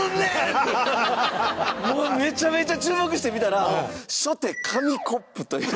って、もうめちゃめちゃ注目して見たら初手、紙コップという。